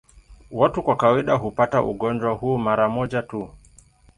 Watu kwa kawaida hupata ugonjwa huu mara moja tu.